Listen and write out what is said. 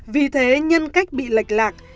vì thế nhân cách bị lệch lạc